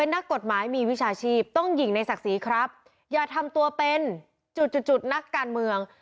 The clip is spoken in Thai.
นักกฎหมายมีวิชาชีพต้องหญิงในศักดิ์ศรีครับอย่าทำตัวเป็นจุดจุดนักการเมือง